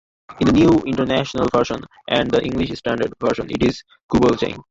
In the New International Version and the English Standard Version it is "Tubal-cain".